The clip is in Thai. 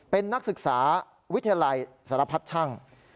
เป็นนักศึกษาวิทยาลัยสารพัดช่าง